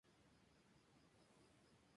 Ella ahora vive en Los Angeles.